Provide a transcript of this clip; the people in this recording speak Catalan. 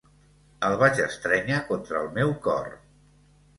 El vaig estrènyer contra el meu cor.